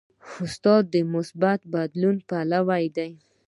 استاد د مثبت بدلون پلوی دی.